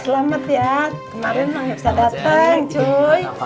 kemarin emang gak bisa dateng cuy